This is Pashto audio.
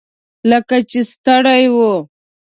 لکه چې ستړي وو.